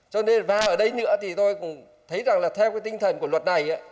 cho nên và ở đây nữa thì tôi cũng thấy rằng là theo cái tinh thần của luật này